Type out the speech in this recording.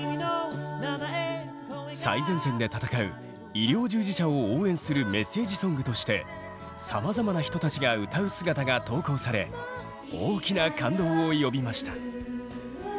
最前線で戦う医療従事者を応援するメッセージソングとしてさまざまな人たちが歌う姿が投稿され大きな感動を呼びました。